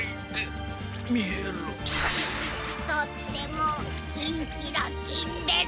とってもキンキラキンです。